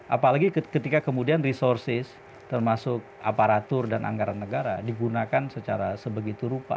apalagi ketika kemudian resources termasuk aparatur dan anggaran negara digunakan secara sebegitu rupa